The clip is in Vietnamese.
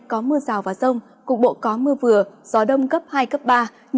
có mưa rào và rông cục bộ có mưa vừa gió đông cấp hai ba nhiệt độ từ hai mươi bốn ba mươi một độ